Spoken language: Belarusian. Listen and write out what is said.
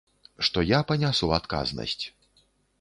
Што я панясу адказнасць.